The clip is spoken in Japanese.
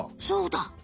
そうだ。